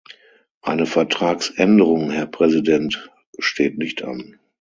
Eine Vertragsänderung, Herr Präsident, steht nicht an.